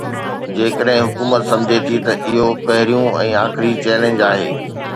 جيڪڏهن حڪومت سمجهي ٿي ته اهو پهريون ۽ آخري چئلينج آهي.